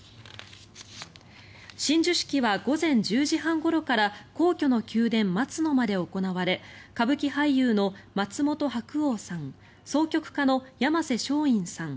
親授式は午前１０時半ごろから皇居の宮殿松の間で行われ歌舞伎俳優の松本白鸚さん筝曲家の山勢松韻さん